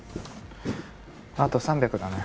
あと３００だね。